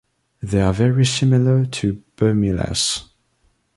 They are very similar to Burmillas.